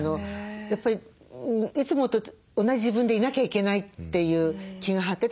やっぱりいつもと同じ自分でいなきゃいけないという気が張ってたのかな。